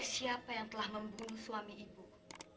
saya minta tunggu sebentar